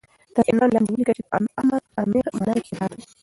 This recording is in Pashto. تر عنوان لاندې وليكه چې دآمر امر منلو ته اطاعت وايي